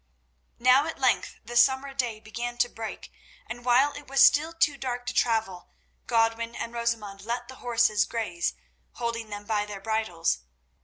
Now at length the summer day began to break, and while it was still too dark to travel, Godwin and Rosamund let the horses graze, holding them by their bridles.